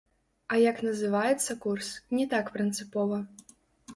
А як называецца курс, не так прынцыпова.